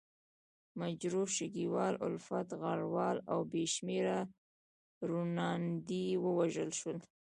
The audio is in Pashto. مجروح، شګیوال، الفت، غروال او بې شمېره روڼاندي ووژل شول.